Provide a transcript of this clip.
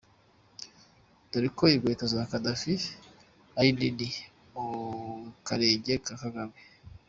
Dore uko inkweto za Kadafi ari nini mukarenge Ka Kagame.